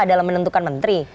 dalam menentukan menteri